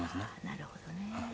なるほどね。